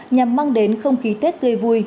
nhằm mang đến không khí tết tươi vui